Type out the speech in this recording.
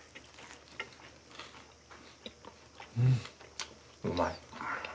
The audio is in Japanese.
うんうまい。